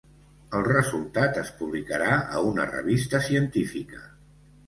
El resultat es publicarà a una revista científica.